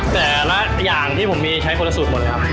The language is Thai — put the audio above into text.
แต่ละอย่างที่ผมมีใช้คนละสูตรหมดเลยครับ